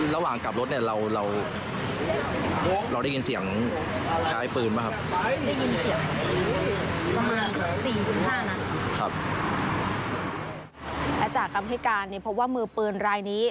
แล้วจากกรรมพิการพบว่ามือปืนรายนี้